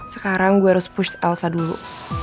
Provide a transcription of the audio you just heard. sekarang gue harus push alsa dulu